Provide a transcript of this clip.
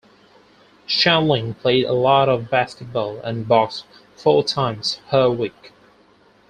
Shandling played a lot of basketball and boxed four times per week.